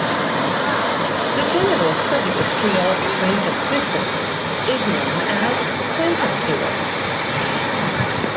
The general study of chaotic quantum systems is known as quantum chaos.